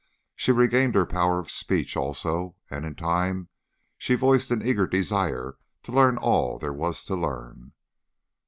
She regained her power of speech, also, and in time she voiced an eager desire to learn all there was to learn.